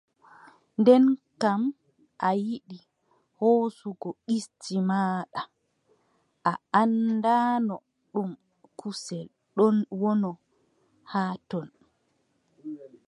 Nden kam a yiɗi hoocugo ɗisdi maaɗa, a anndaano ɗum kusel wonno haa ton.